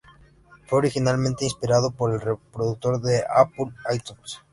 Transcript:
Fue originalmente inspirado por el reproductor de Apple, iTunes.